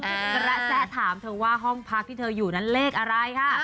กระแสถามเธอว่าห้องพักที่เธออยู่นั้นเลขอะไรค่ะ